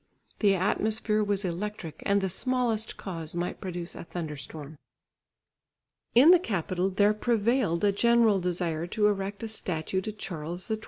The atmosphere was electric and the smallest cause might produce a thunderstorm. In the capital there prevailed a general desire to erect a statue to Charles XII.